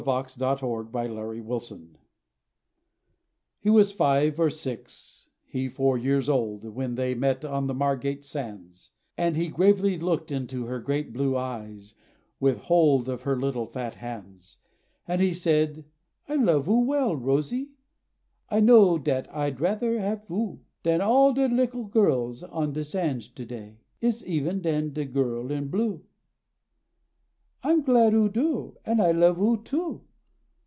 [Decoration] MARGATE SANDS. SHE was five, or six, he four years old, When they met on the Margate Sands, And he gravely looked in her great blue eyes With hold of her little fat hands, And he said, "I love oo well Rosie; I know, dat I'd rather have oo, Dan all de lickel girls on de sands to day, Iss, even dan de girl in blue!" "I'm glad oo do; and I love oo too!"